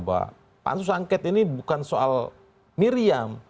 bahwa pansus angket ini bukan soal miriam